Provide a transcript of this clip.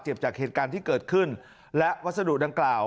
จากเหตุการณ์ที่เกิดขึ้นและวัสดุดังกล่าว